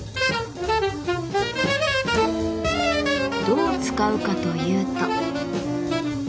どう使うかというと。